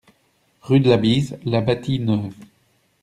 Rue de la Bise, La Bâtie-Neuve